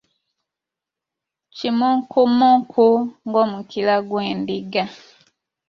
Kimunkumunku ng’omukira gw’endiga.